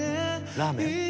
ラーメン？